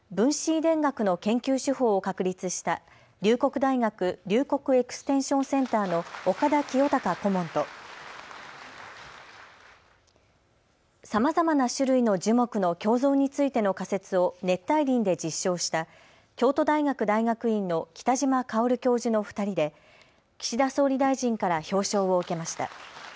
遺伝学の研究手法を確立した龍谷大学龍谷エクステンションセンターの岡田清孝顧問とさまざまな種類の樹木の共存についての仮説を熱帯林で実証した京都大学大学院の北島薫教授の２人で岸田総理大臣から表彰を受けました。